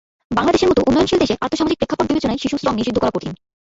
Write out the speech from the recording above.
বাংলাদেশের মতো উন্নয়নশীল দেশে আর্থসামাজিক প্রেক্ষাপট বিবেচনায় শিশুশ্রম নিষিদ্ধ করা কঠিন।